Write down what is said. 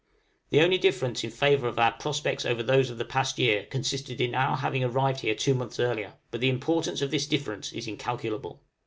The only difference in favor of our prospects over those of the past year consisted in our having arrived here two months earlier; but the importance of this difference is incalculable.